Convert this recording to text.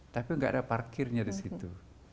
tapi nggak ada parkirnya di situ